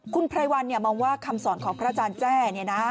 คุณไพรวัลมองว่าคำสอนของพระอาจารย์แจ้